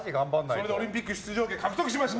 それでオリンピック出場権獲得しました。